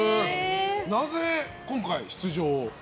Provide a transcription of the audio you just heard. なぜ今回、出場を？